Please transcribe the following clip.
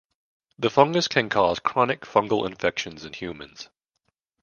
The fungus can cause chronic fungal infections in humans.